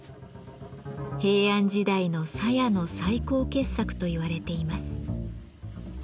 平安時代の鞘の最高傑作と言われています。